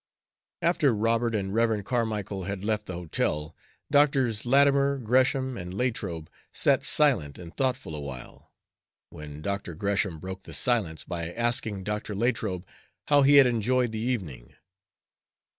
After Robert and Rev. Carmicle had left the hotel, Drs. Latimer, Gresham, and Latrobe sat silent and thoughtful awhile, when Dr. Gresham broke the silence by asking Dr. Latrobe how he had enjoyed the evening.